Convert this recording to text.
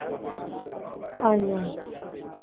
Añandúniko hyapúva okápe.